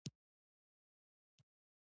تاثیر مطالعه شي.